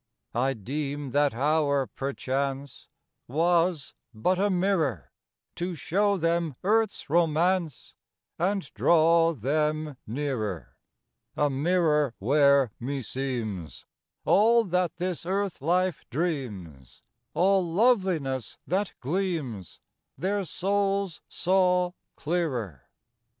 V I deem that hour, perchance, Was but a mirror To show them Earth's romance And draw them nearer: A mirror where, meseems, All that this Earth life dreams, All loveliness that gleams, Their souls saw clearer.